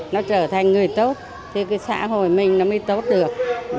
nó trở thành người tốt thì cái xã hội mình nó mới tốt được